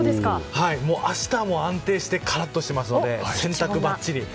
もう明日は安定してカラッとしてますので洗濯ばっちり。